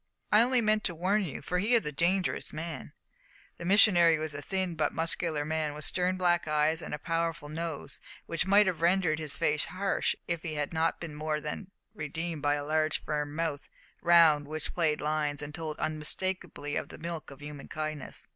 I only meant to warn you, for he is a dangerous man." The missionary was a thin but muscular man, with stern black eyes and a powerful nose, which might have rendered his face harsh if it had not been more than redeemed by a large firm mouth, round which played lines that told unmistakably of the milk of human kindness.